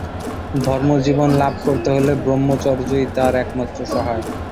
ধর্মজীবন লাভ করতে হলে ব্রহ্মচর্যই তার একমাত্র সহায়।